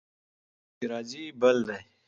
هغه سړی چې راځي، بل دی.